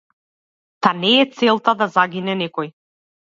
Та не е целта да загине некој!